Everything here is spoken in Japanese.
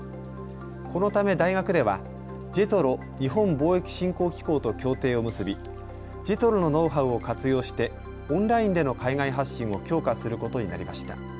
このため大学ではＪＥＴＲＯ・日本貿易振興機構と協定を結びジェトロのノウハウを活用してオンラインでの海外発信を強化することになりました。